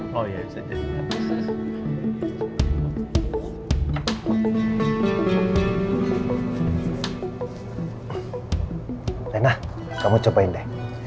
mainannya dibawa ya